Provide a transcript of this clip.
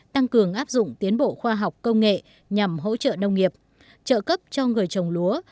tăng cường áp dụng tiến bộ khoa học công nghệ nhằm hỗ trợ nông nghiệp trợ cấp cho người trồng lúa